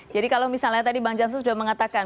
jadi kalau misalnya tadi bang jansus sudah mengatakan